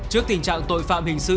trước tình trạng tội phạm hình sự